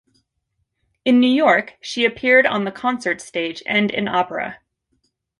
In New York, she appeared on the concert stage and in opera.